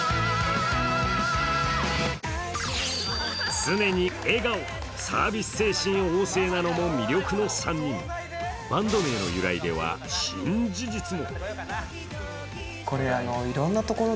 常に笑顔、サービス精神旺盛なのも魅力の３人バンド名の由来では新事実も。